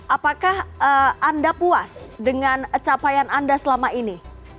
apakah anda puas dengan capaian anda selama ini